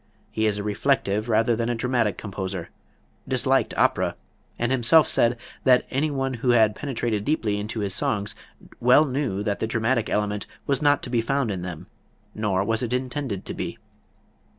He is a reflective rather than a dramatic composer, disliked opera, and himself said that any one who had penetrated deeply into his songs well knew that the dramatic element was not to be found in them, nor was it intended to be.